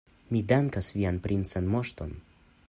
Mi dankas vian princan moŝton.